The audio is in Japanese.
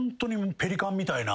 「ペリカンみたいな」？